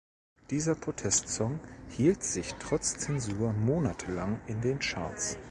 Dieser Protestsong hielt sich trotz Zensur monatelang in den Charts.